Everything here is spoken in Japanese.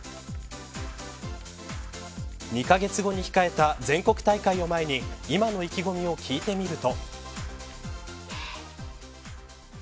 ２カ月後に控えた全国大会を前に今の意気込みを聞いてみると。